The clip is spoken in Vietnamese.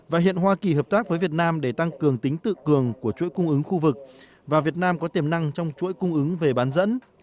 và hiện hoa kỳ hợp tác với việt nam để tăng cường tính tự cường của chuỗi cung ứng khu vực và việt nam có tiềm năng trong chuỗi cung ứng về bán dẫn